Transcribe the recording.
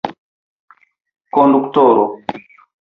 Konduktoro!